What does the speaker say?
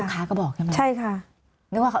ลูกค้าก็บอกใช่ไหมคะใช่ค่ะ